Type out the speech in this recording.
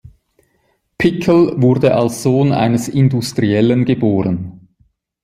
Pickel wurde als Sohn eines Industriellen geboren.